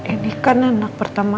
ini kan anak pertama